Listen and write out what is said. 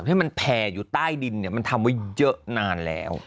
ให้มันแผ่อยู่ใต้ดินมันทำไว้เยอะนานแล้ว